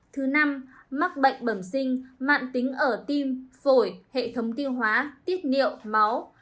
thứ năm mắc bệnh bẩm sinh mạng tính ở tim phổi hệ thống tiêu hóa tiết niệu máu